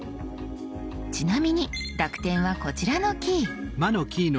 ちなみに濁点はこちらのキー。